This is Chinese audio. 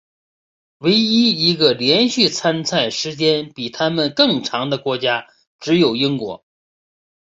唯一一个连续参赛时间比他们更长的国家只有英国。